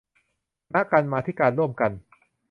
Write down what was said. คณะกรรมาธิการร่วมกัน